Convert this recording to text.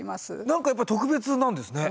何かやっぱり特別なんですね。